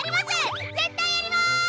絶対やります！